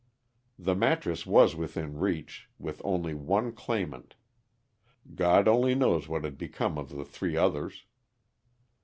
The mattress was within reach, with only one claim ant. God only knows what had become of the three others.